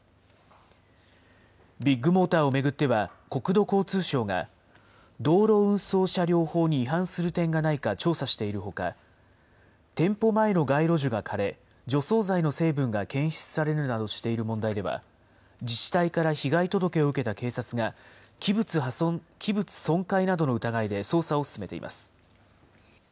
ビッグモーターを巡っては、国土交通省が、道路運送車両法に違反する点がないか調査しているほか、店舗前の街路樹が枯れ、除草剤の成分が検出されるなどしている問題では、自治体から被害届を受けた警察が、器物損壊などの疑いで捜査を進めています。